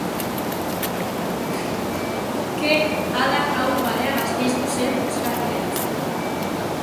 Ke adar ahul parea Gasteizko zeru oskarbirantz.